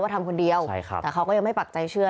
ว่าทำคนเดียวแต่เขาก็ยังไม่ปักใจเชื่อ